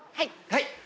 はい。